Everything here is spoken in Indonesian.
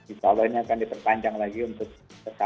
insya allah ini akan diperpanjang lagi untuk